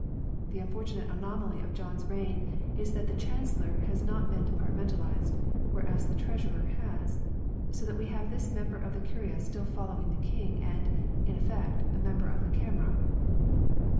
The unfortunate anomaly of John's reign is that the Chancellor has not been departmentalized, whereas the Treasurer has ; so that we have this member of the " Curia " still following the King and, in effect, a member of the " Camera